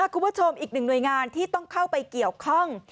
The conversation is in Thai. คุณผู้ชมอีกหนึ่งหน่วยงานที่ต้องเข้าไปเกี่ยวข้อง